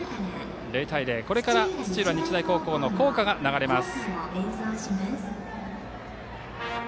０対０、これから土浦日大の校歌が流れます。